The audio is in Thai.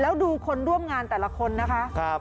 แล้วดูคนร่วมงานแต่ละคนนะคะ